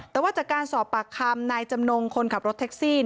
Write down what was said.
แต่ว่าจากการสอบปากคำนายจำนงคนขับรถแท็กซี่